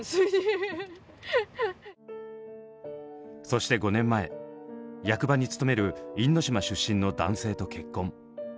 そして５年前役場に勤める因島出身の男性と結婚。